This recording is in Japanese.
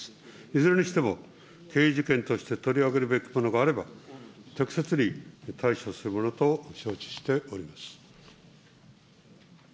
いずれにしても、刑事事件として取り上げるべきものがあれば、適切に対処するものと承知しております。